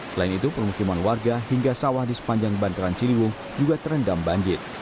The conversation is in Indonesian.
selain itu permukiman warga hingga sawah di sepanjang bantaran ciliwung juga terendam banjir